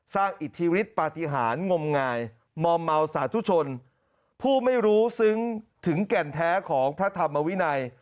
อิทธิฤทธิปฏิหารงมงายมอมเมาสาธุชนผู้ไม่รู้ซึ้งถึงแก่นแท้ของพระธรรมวินัย